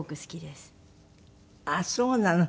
ああそうなの？